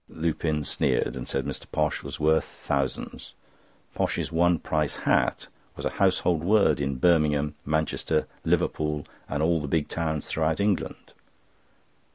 Lupin sneered, and said Mr. Posh was worth thousands. "Posh's one price hat" was a household word in Birmingham, Manchester, Liverpool, and all the big towns throughout England.